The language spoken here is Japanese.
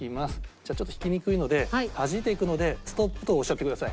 じゃあちょっと引きにくいのではじいていくので「ストップ」とおっしゃってください。